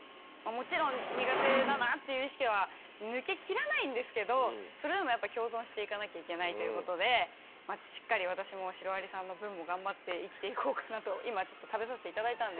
もちろん苦手だなっていう意識は抜けきらないんですけどそれでもやっぱ共存していかなきゃいけないということでしっかり私もシロアリさんの分も頑張って生きていこうかなと今ちょっと食べさせて頂いたんで。